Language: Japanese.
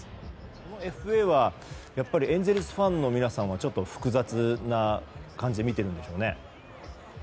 そのＦＡはエンゼルスファンの皆さんはちょっと複雑な感じで見てるんでしょうね。